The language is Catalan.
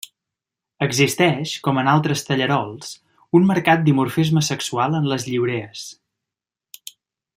Existeix, com en altres tallarols, un marcat dimorfisme sexual en les lliurees.